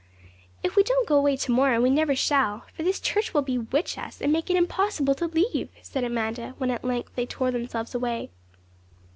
'If we don't go away to morrow we never shall, for this church will bewitch us, and make it impossible to leave,' said Amanda, when at length they tore themselves away.